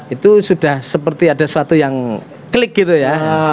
itu sudah seperti ada suatu yang klik gitu ya